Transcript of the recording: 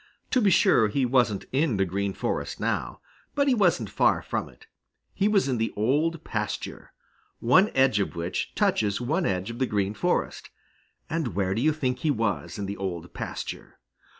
To be sure, he wasn't in the Green Forest now, but he wasn't far from it. He was in the Old Pasture, one edge of which touches one edge of the Green Forest. And where do you think he was, in the Old Pasture?